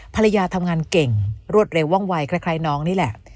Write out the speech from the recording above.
ภรรยาทำงานเก่งรวดเร็วว่องวัยคล้ายน้องนี่แหละ